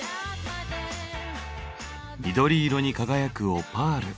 緑色に輝くオパール。